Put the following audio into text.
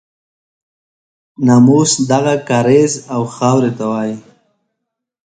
ناموس دغه کاریز او خاورې ته وایي.